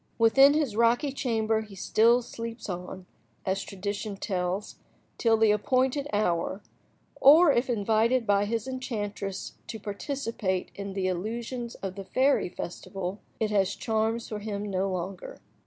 Within his rocky chamber he still sleeps on, as tradition tells, till the appointed hour; or if invited by his enchantress to participate in the illusions of the fairy festival, it has charms for him no longer.